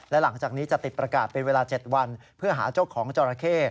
และหลังจากนี้จะติดประกาศเป็นเวลา๗วันเพื่อหาเจ้าของจอราเข้